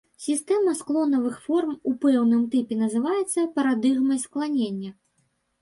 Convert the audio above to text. Сістэма склонавых форм у пэўным тыпе называецца парадыгмай скланення.